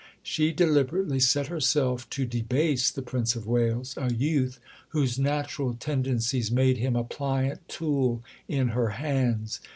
She deliberately set herself to debase the Prince of Wales a youth whose natural tendencies made him a pliant tool in her hands.